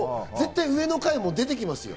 絶対、上の階も出てきますよ。